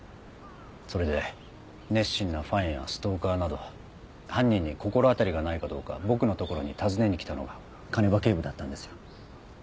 それで熱心なファンやストーカーなど犯人に心当たりがないかどうか僕の所に尋ねに来たのが鐘場警部だったんですよ。